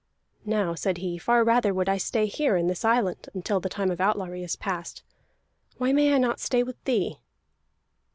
"Now," said he, "far rather would I stay here in this island, until the time of outlawry is past. Why may I not stay with thee?"